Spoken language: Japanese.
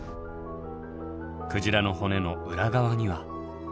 鯨の骨の裏側には。